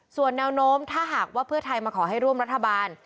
ส่วนแนวโน้มถ้าหากว่าเพื่อไทยมาขอให้ร่วมรัฐบาล